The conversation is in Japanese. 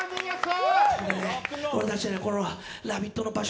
俺たちこの「ラヴィット！」の場所